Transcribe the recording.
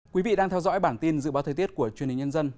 quý vị đang theo dõi bản tin dự báo thời tiết của truyền hình nhân dân